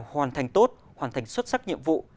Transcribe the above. hoàn thành tốt hoàn thành xuất sắc nhiệm vụ